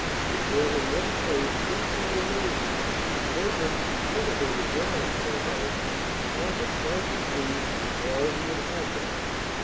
In more than one place pink double roses (vagrants from cultivated grounds, no doubt) offered buds and blooms to all who would have them.